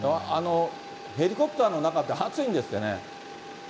ヘリコプターの中って暑いんですよね。